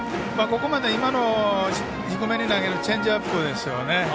ここまで今の低めに投げるチェンジアップですよね。